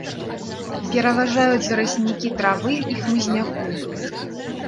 Пераважаюць зараснікі травы і хмызняку.